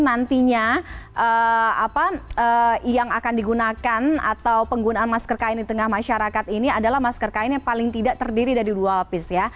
nantinya yang akan digunakan atau penggunaan masker kain di tengah masyarakat ini adalah masker kain yang paling tidak terdiri dari dua lapis ya